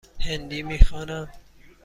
هندی می خوانم.